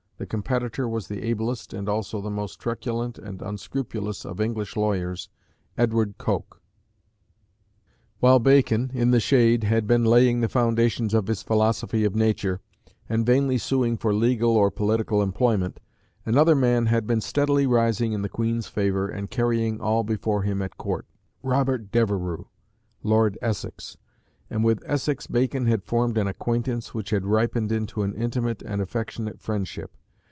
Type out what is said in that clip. The competitor was the ablest, and also the most truculent and unscrupulous of English lawyers, Edward Coke. While Bacon, in the shade, had been laying the foundations of his philosophy of nature, and vainly suing for legal or political employment, another man had been steadily rising in the Queen's favour and carrying all before him at Court Robert Devereux, Lord Essex; and with Essex Bacon had formed an acquaintance which had ripened into an intimate and affectionate friendship.